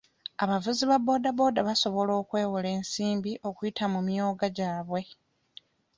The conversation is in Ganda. Abavuzi ba booda booda basobola okwewola ensimbi okuyita mu myoga gyabwe.